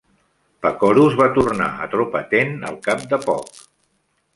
Pacorus va tornar a Atropatene al cap de poc.